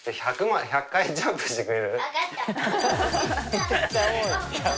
めちゃくちゃ多い。